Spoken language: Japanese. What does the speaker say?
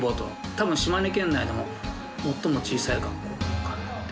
多分島根県内でも最も小さい学校なのかなって。